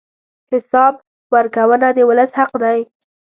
حساب ورکونه د ولس حق دی.